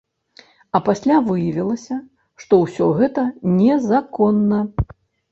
А пасля выявілася, што ўсё гэта незаконна.